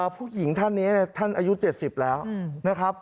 ผู้หญิงท่านนี้ท่านอายุ๗๐แล้วนะครับ